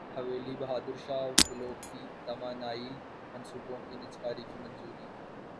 حویلی بہادر شاہ بلوکی توانائی منصوبوں کی نجکاری کی منظوری